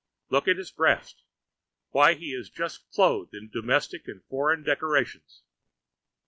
Look at his breast; why, he is just clothed in domestic and foreign decorations.